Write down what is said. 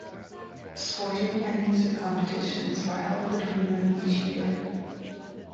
Sporting and music competitions are held between them each year.